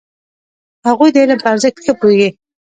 هغوی د علم په ارزښت ښه پوهېدل.